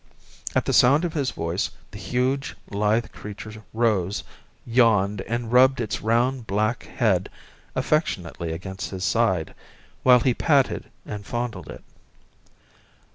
At the sound of his voice the huge, lithe creature rose, yawned and rubbed its round, black head affectionately against his side, while he patted and fondled it.